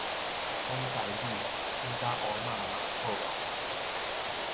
講台語，耍甲烏嘛嘛好無？